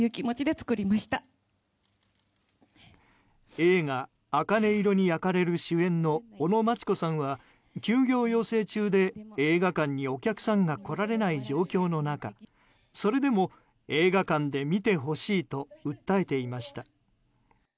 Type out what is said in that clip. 映画「茜色に焼かれる」主演の尾野真千子さんは休業要請中で映画館にお客さんが来られない状況の中それでも映画館で見てほしいと訴えていました。